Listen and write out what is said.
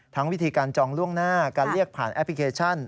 วิธีการจองล่วงหน้าการเรียกผ่านแอปพลิเคชัน